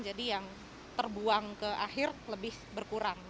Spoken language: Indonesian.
jadi yang terbuang ke akhir lebih berkurang